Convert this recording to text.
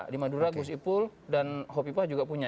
di madura gus ipul dan hopi pah juga punya